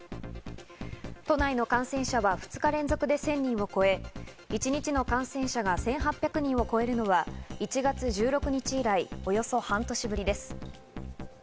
都内の感染者は２日連続で１０００人を超え、一日の感染者が１８００人を超えるのは１月１６日以来、およそ半年ぶりです。